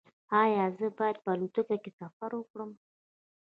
ایا زه باید په الوتکه کې سفر وکړم؟